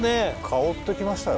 香ってきましたよ